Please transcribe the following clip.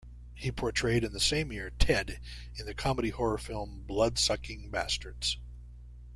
He portrayed in the same year Ted in the comedy horror film "Bloodsucking Bastards".